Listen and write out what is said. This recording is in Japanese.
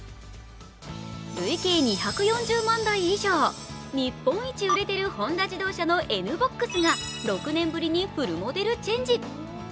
累計２４０万台以上、日本一売れているホンダ自動車のＮ−ＢＯＸが６年ぶりにフルモデルチェンジ。